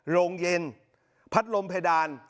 โรงเย็นพัดลมเพดาน